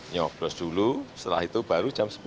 nyoblos dulu setelah itu baru jam sepuluh